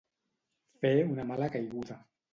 Fer una mala caiguda.